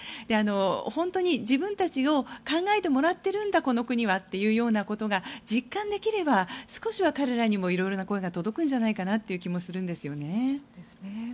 本当に自分たちを考えてもらっているんだこの国はということが実感できれば少しは彼らにも色々な声が届くんじゃないかなという気もするんですよね。